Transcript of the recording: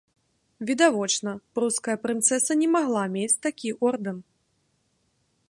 Відавочна, пруская прынцэса не магла мець такі ордэн!